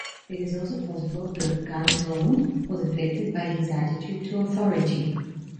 It is also possible that Ganteaume was affected by his attitude to authority.